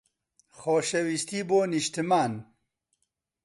خۆشەویستی بۆ نیشتمان.